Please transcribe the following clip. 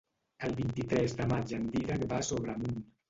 El vint-i-tres de maig en Dídac va a Sobremunt.